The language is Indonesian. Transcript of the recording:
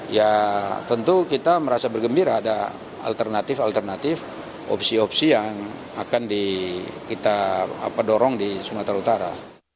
ya tentu kita merasa bergembira ada alternatif alternatif opsi opsi yang akan kita dorong di sumatera utara